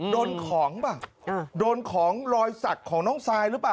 โดนของป่ะโดนของรอยสักของน้องซายหรือเปล่า